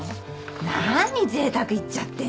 何ぜいたく言っちゃってんの。